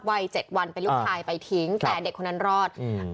วัยเจ็ดวันเป็นลูกชายไปทิ้งแต่เด็กคนนั้นรอดอืม